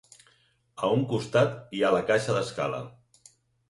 A un costat hi ha la caixa d'escala.